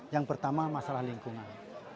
yang pertama masalah lingkungan